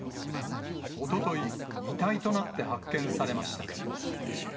おととい、遺体となって発見されました。